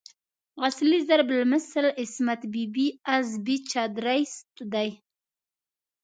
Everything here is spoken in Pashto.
اصلي ضرب المثل "عصمت بي بي از بې چادريست" دی.